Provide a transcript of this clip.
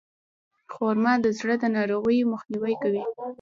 خرما د زړه د ناروغیو مخنیوی کوي.